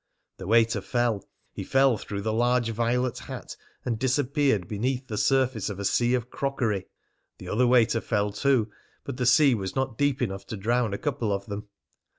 The waiter fell; he fell through the large violet hat and disappeared beneath the surface of a sea of crockery. The other waiter fell too, but the sea was not deep enough to drown a couple of them.